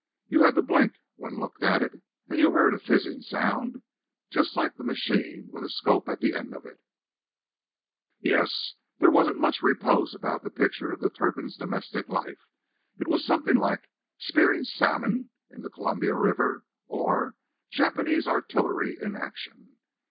You had to blink when looked at it; and you heard a fizzing sound just like the machine with a "scope" at the end of it. Yes; there wasn't much repose about the picture of the Turpins' domestic life. It was something like "Spearing Salmon in the Columbia River," or "Japanese Artillery in Action."